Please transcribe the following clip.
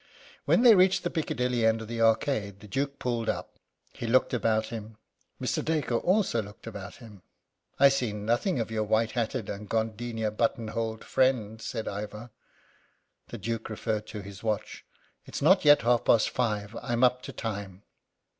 When they reached the Piccadilly end of the Arcade the Duke pulled up. He looked about him. Mr. Dacre also looked about him. "I see nothing of your white hatted and gardenia button holed friend," said Ivor. The Duke referred to his watch: "It's not yet half past five. I'm up to time."